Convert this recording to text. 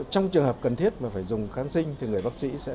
trong trường hợp cần thiết mà phải dùng kháng sinh thì người bác sĩ sẽ